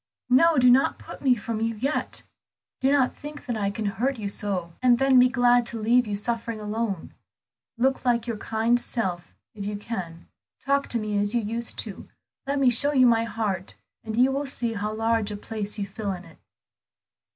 "No, do not put me from you yet; do not think that I can hurt you so, and then be glad to leave you suffering alone. Look like your kind self if you can; talk to me as you used to; let me show you my heart and you will see how large a place you fill in it.